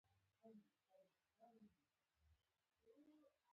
زړه د ژوند تل دی.